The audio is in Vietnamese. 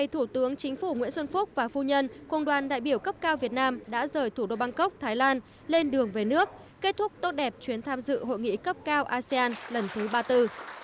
thủ tướng nguyễn xuân phúc và phu nhân của công đoàn đại biểu cấp cao việt nam đã rời thủ đô bangkok thái lan lên đường về nước kết thúc tốt đẹp chuyến tham dự hội nghị cấp cao asean lần thứ ba tư